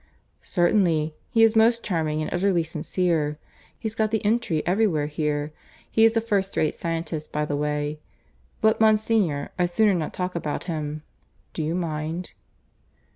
"Certainly. He is most charming, and utterly sincere. He's got the entree everywhere here. He is a first rate scientist, by the way. But, Monsignor, I'd sooner not talk about him. Do you mind?"